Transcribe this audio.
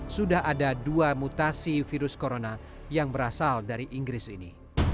sudah ada dua mutasi virus corona yang berasal dari inggris ini